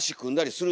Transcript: する！